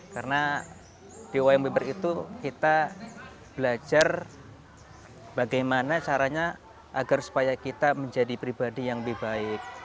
karena di wayang beber itu kita belajar bagaimana caranya agar supaya kita menjadi pribadi yang lebih baik